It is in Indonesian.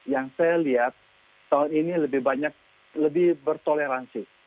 yang saya lihat tahun ini lebih banyak lebih bertoleransi